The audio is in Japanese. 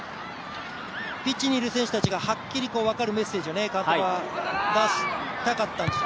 ピッチにいる選手たちがはっきり分かるメッセージを監督は出したかったんでしょう。